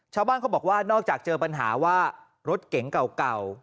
ชาวบ้านเขาบอกว่านอกจากเจอปัญหาว่ารถเก๋งเก่า